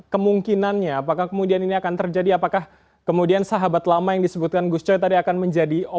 kemungkinannya apakah kemudian ini akan terjadi apakah kemudian sahabat lama yang disebutkan gus coy tadi akan menjadi orang